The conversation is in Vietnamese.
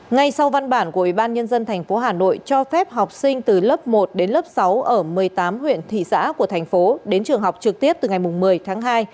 ngay sau văn bản của ủy ban nhân dân tp hà nội cho phép học sinh từ lớp một đến lớp sáu ở một mươi tám huyện thị xã của thành phố đến trường học trực tiếp từ ngày một mươi tháng hai